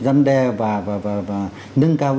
răn đe và nâng cao